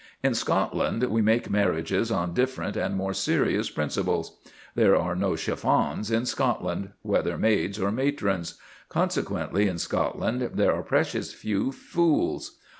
In Scotland we make marriages on different and more serious principles. There are no Chiffons in Scotland, whether maids or matrons. Consequently in Scotland there are precious few fools.